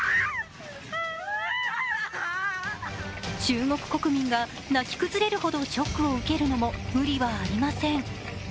中国国民が泣き崩れるほどショックを受けるのも無理はありません。